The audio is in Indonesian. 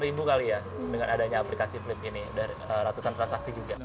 ribu kali ya dengan adanya aplikasi flip ini dari ratusan transaksi juga beli belah aplikasi flip